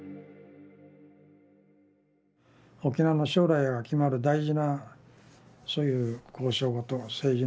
沖縄の将来が決まる大事なそういう交渉事